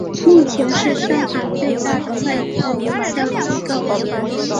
目前是上海最大的外资营销机构。